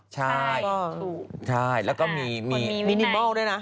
ใช่และมีวินิมอลด้วยนะ